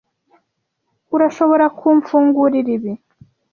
Urashobora kumfungurira ibi?